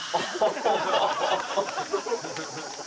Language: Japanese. ハハハハ！